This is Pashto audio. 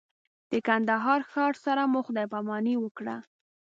د کندهار ښار سره مو خدای پاماني وکړه.